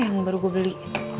yang baru gue beli